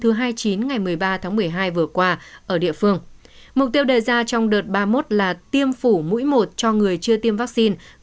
thứ hai mươi chín ngày một mươi ba tháng một mươi hai vừa qua ở địa phương mục tiêu đề ra trong đợt ba mươi một là tiêm phủ mũi một cho người chưa tiêm vaccine